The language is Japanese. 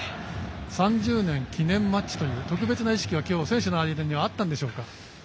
３０周年記念マッチという特別な意識は今日、選手の間にはあったんでしょうか？